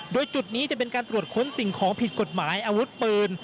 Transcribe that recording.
โดยจุดนี้จะเป็นการตรวจค้นสิ่งของผิดกฎหมายอาวุธปืน